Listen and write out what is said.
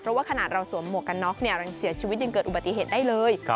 เพราะว่าขนาดเราสวมหมวกกันน็อกเนี่ยยังเสียชีวิตยังเกิดอุบัติเหตุได้เลย